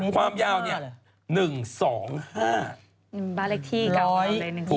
ความยาวเนี่ย๑๒๕